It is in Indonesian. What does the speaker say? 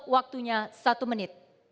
waktunya satu menit